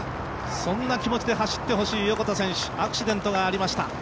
そんな気持ちで走ってほしい横田選手アクシデントがありました。